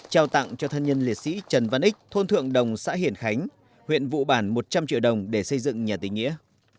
trao tặng cho thân nhân liệt sĩ trần văn ích thôn thượng đồng xã hiển khánh huyện vụ bản một trăm linh triệu đồng để xây dựng nhà tình nghĩa